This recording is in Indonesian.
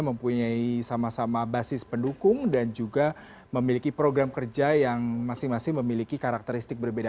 mempunyai sama sama basis pendukung dan juga memiliki program kerja yang masing masing memiliki karakteristik berbeda